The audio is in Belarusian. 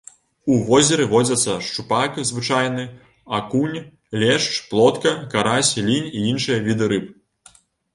У возеры водзяцца шчупак звычайны, акунь, лешч, плотка, карась, лінь і іншыя віды рыб.